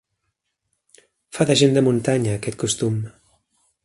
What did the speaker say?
Fa de gent de muntanya, aquest costum.